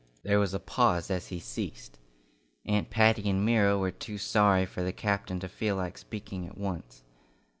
There was a pause as he ceased. Aunt Patty and Myra were too sorry for the captain to feel like speaking at once.